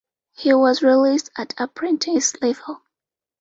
He was released at apprentice level.